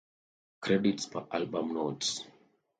Credits per album notes.